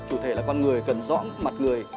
chủ thể là con người cần rõ mặt người